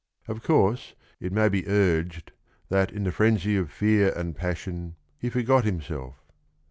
Of course, it may be urged that in the frenzy of fear and passion he forgot himself.